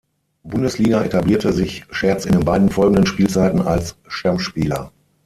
Bundesliga etablierte sich Scherz in den beiden folgenden Spielzeiten als Stammspieler.